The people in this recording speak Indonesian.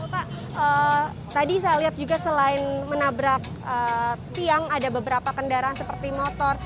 pak tadi saya lihat juga selain menabrak tiang ada beberapa kendaraan seperti motor